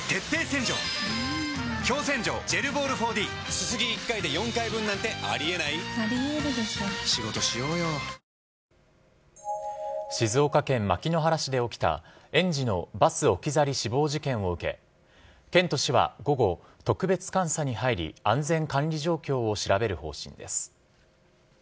静岡県牧之原市で起きた園児のバス置き去り死亡事件を受けて県と市は午後、特別監査に入り安全管理状況を調べる方針です。